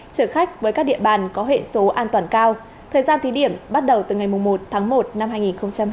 chở khách với các địa bàn có hệ số an toàn cao thời gian thí điểm bắt đầu từ ngày một tháng một năm hai nghìn hai mươi